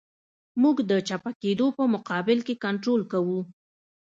موږ د چپه کېدو په مقابل کې کنټرول کوو